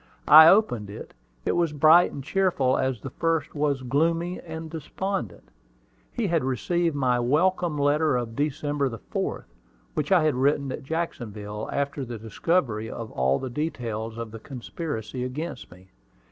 I opened it: it was bright and cheerful as the first was gloomy and despondent. He had received my "welcome letter of December 4th," which I had written at Jacksonville, after the discovery of all the details of the conspiracy against me.